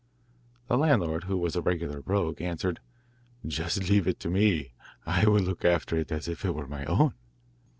The landlord, who was a regular rogue, answered, 'Just leave it to me, I will look after it as if it were my own.